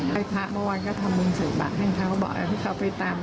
เมื่อมีพระก็ทำบุญใส่บาทให้เขา